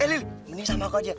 eh lil mending sama aku aja